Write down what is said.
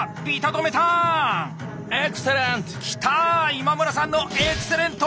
今村さんのエクセレント！